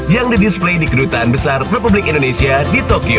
yang didisplay di kedutaan besar republik indonesia di tokyo